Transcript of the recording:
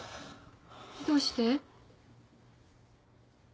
どうして？